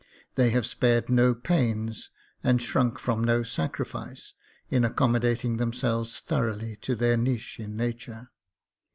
They have spared no pains and shrunk from no sacrifice in accommodating themselves thoroughly to their niche in nature.